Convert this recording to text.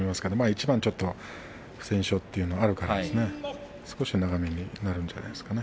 一番ちょっと不戦勝というのもあるから少し長めになるんじゃないですか。